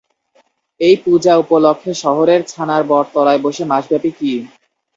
এই পূজা উপলক্ষে শহরের ছানার বটতলায় বসে মাসব্যাপী কি?